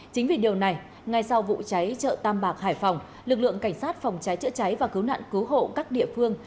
chính vì điều này ngay sau vụ cháy chợ tam bạc hải phòng lực lượng cảnh sát phòng cháy chữa cháy và cứu nạn cứu hộ các địa phương